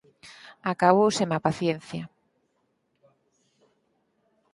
Acabóuseme a paciencia.